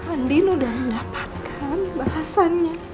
andin udah mendapatkan bahasanya